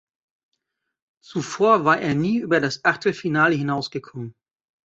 Zuvor war er nie über das Achtelfinale hinaus gekommen.